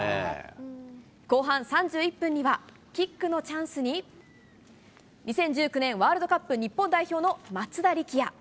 後半３１分には、キックのチャンスに、２０１９年ワールドカップ日本代表の松田力也。